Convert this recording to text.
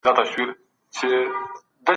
په جګړه کي جرئت تر هر مادي شی ډیر مهم دی.